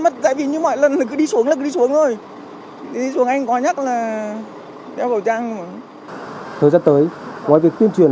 thời gian tới ngoài việc tuyên truyền